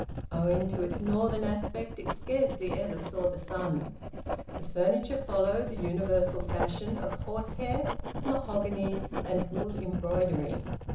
Owing to its northern aspect it scarcely ever saw the sun. The furniture followed the universal fashion of horse hair, mahogany, and wool embroidery.